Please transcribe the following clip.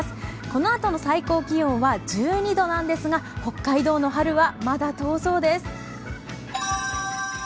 このあとの最高気温は１２度なんですが、北海道の春は、まだ遠そうです。